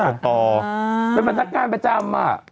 สายตามองข้ามมาเลย